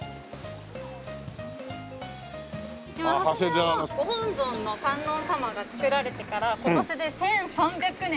長谷寺のご本尊の観音様が作られてから今年で１３００年。